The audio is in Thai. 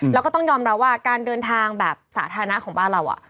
แล้วก็ต้องยอมรับว่าการเดินทางแบบสาธารณะของบ้านเรา